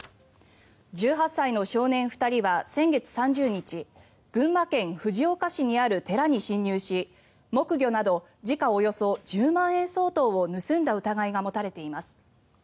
１８歳の少年２人は先月３０日群馬県藤岡市にある寺に侵入し木魚など時価およそ１０万円相当を盗んだ疑いが持たれています。